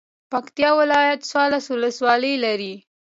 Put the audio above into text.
پکتيا ولايت څوارلس ولسوالۍ لري